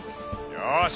よし。